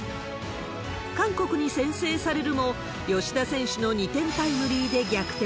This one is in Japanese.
韓国に先制されるも、吉田選手の２点タイムリーで逆転。